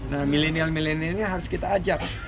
nah milenial milenialnya harus kita ajak